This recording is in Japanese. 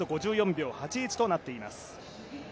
５４秒８１となっています。